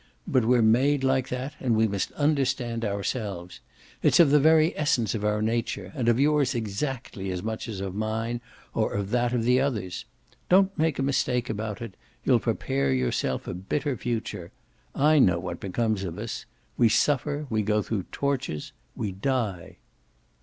But we're made like that and we must understand ourselves. It's of the very essence of our nature, and of yours exactly as much as of mine or of that of the others. Don't make a mistake about it you'll prepare for yourself a bitter future. I know what becomes of us. We suffer, we go through tortures, we die!"